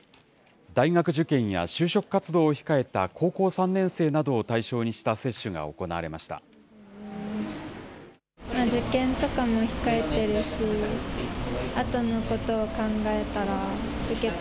大学受験や就職活動を控えた高校３年生などを対象にした接種が行われました。